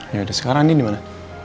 yaudah sekarang nih dimana